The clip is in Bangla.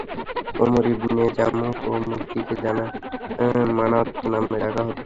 আমর ইবনে জামূহ এর মুর্তিকে মানাত নামে ডাকা হত।